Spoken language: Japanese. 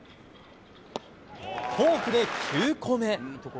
フォークで９個目。